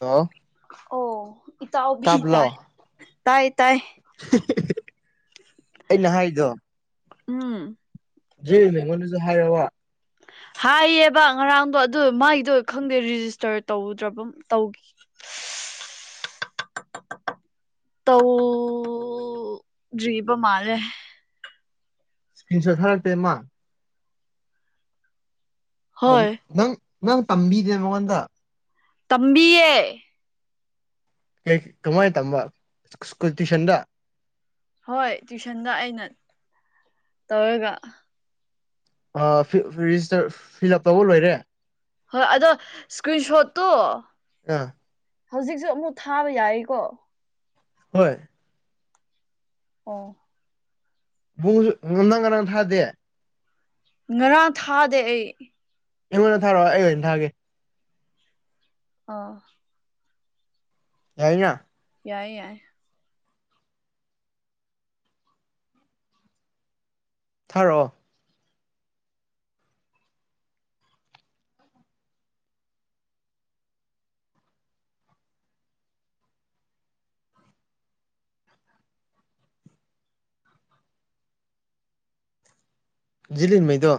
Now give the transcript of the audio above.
hello ꯑꯣ ꯏ ꯇꯎꯕꯤ ꯏꯇꯥ ꯇꯥꯏ ꯇꯥꯏ ꯑꯩ ꯅꯍꯥꯟꯗꯣ ꯎꯝ ꯃꯦꯃꯣꯅꯤꯖ ꯍ ꯋꯥ ꯍꯥꯏꯌꯦꯕ ꯉꯔꯥꯡꯗꯣ ꯑꯗꯨ ꯃꯒꯤꯗꯣ ꯈꯪꯗꯦ ꯔꯦꯖꯤꯁꯇꯔ ꯇꯧꯗ꯭ꯔꯕ ꯇꯧꯈꯤ ꯇꯧꯗ꯭ꯔꯤꯕ ꯃꯥꯜꯂꯦ ꯇꯤꯟꯁꯣ ꯊꯔ ꯄꯦ ꯃꯥ ꯑ ꯍꯣꯏ ꯅꯪ ꯅꯪ ꯇꯝꯕꯤꯗꯦ ꯃꯉꯣꯟꯗ ꯇꯝꯕꯤꯌꯦꯦ ꯀꯦ ꯀꯃꯥꯏ ꯇꯝꯕꯨꯜ ꯇꯌꯨꯁꯟꯗ ꯍꯣꯏ ꯇ꯭ꯋꯁꯟꯗ ꯑꯩꯅ ꯇꯧꯔꯒ ꯔꯦꯖꯤꯁꯇꯔ ꯐꯤꯜ ꯑꯞ ꯇꯧꯕ ꯂꯣꯏꯔꯦ ꯍꯣꯏ ꯑꯗꯣ ꯏꯁꯀ꯭ꯔꯤꯟ ꯁꯣꯠꯇꯣ ꯑꯥ ꯍꯧꯖꯤꯛꯁꯨ ꯑꯃꯨꯛ ꯊꯥꯕ ꯌꯥꯏꯀꯣ ꯍꯣꯏ ꯑꯣ ꯉꯝ ꯅꯪꯒꯅꯥ ꯊꯥꯗꯦ ꯉꯔꯥꯡ ꯊꯥꯗꯦ ꯑꯩ ꯑꯩꯉꯣꯟꯗ ꯊꯥꯔꯛꯑꯣ ꯑꯩ ꯑꯣꯏꯅ ꯊꯥꯒꯦ ꯑꯥ ꯌꯥꯏ ꯌꯥꯏ ꯌꯥꯏ ꯊꯥꯔꯛꯑꯣ ꯂꯤ ꯃꯩꯗꯣ